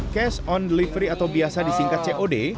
cash on delivery atau biasa disingkat cod